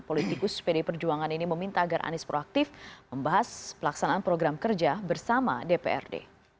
politikus pd perjuangan ini meminta agar anies proaktif membahas pelaksanaan program kerja bersama dprd